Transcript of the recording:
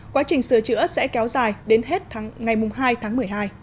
quá trình sửa chữa sẽ kéo dài đến hết ngày hai tháng một mươi hai